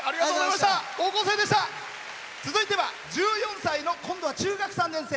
続いては１４歳の今度は中学３年生。